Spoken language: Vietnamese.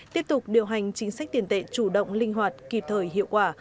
tiếp tục điều hành chính sách tiền tệ chủ động linh hoạt kịp thời hiệu quả